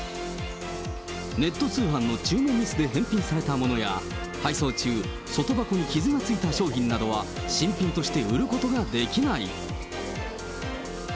ネット通販の注文ミスで返品されたものや、配送中、外箱に傷がついた商品などは新品として売ることができない。